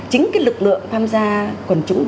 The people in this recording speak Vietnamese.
chính cái lực lượng tham gia